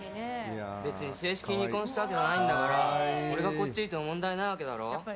別に正式に離婚したわけじゃないんだから俺がこっちにいても問題ないだろ。